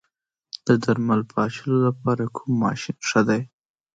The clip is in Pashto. د درمل پاشلو لپاره کوم ماشین ښه دی؟